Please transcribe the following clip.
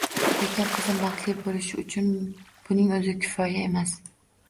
Lekin qizim baxtli bo`lishi uchun buning o`zi kifoya emas